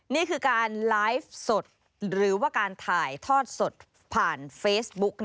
นี่คือการไลฟ์สดหรือว่าการถ่ายทอดสดผ่านเฟซบุ๊ก